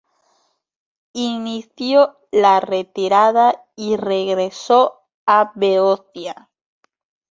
Inició la retirada y regresó a Beocia.